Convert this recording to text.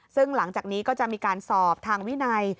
ซึ่งหลังจากนี้ก็จะมีการสอบทางวินัย